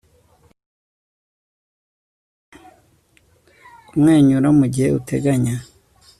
kumwenyura mugihe uteganya